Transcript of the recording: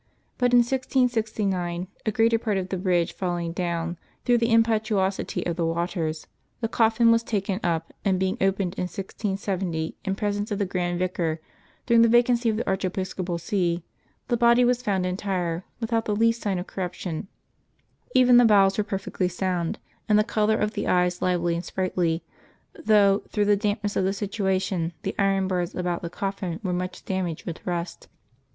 But in 1669 a greater part of the bridge falling down through the impetuosity of the waters, the cofl&n was taken up, and being opened in 1670 in presence of the grand vicar, during the vacancy of the archiepiscopal see, the body was found entire, without the least sign of corrup tion; even the bowels were perfectly sound, and the color of the eyes lively and sprightly, though, through the damp ness of the situation, the iron bars about the coffin were much damaged with rust.